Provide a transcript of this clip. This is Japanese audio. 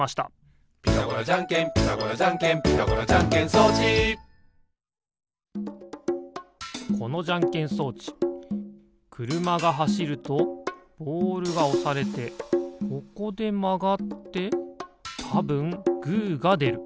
「ピタゴラじゃんけんピタゴラじゃんけん」「ピタゴラじゃんけん装置」このじゃんけん装置くるまがはしるとボールがおされてここでまがってたぶんグーがでる。